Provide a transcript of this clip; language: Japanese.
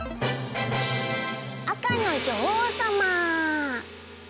赤の女王様！